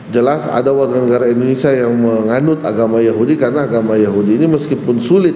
jelas ada warga negara indonesia yang menganut agama yahudi karena agama yahudi ini meskipun sulit